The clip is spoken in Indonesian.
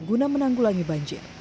guna menanggulangi banjir